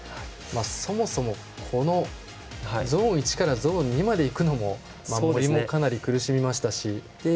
そもそも、このゾーン１からゾーン２にいくのにも森もかなり苦しみましたし。